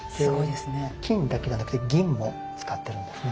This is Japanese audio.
で金だけじゃなくて銀も使ってるんですね。